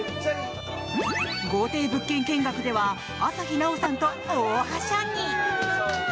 豪邸物件見学では朝日奈央さんと大はしゃぎ。